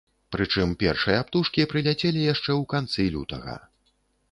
Прычым першыя птушкі прыляцелі яшчэ ў канцы лютага.